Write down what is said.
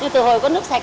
từ hồi có nước sạch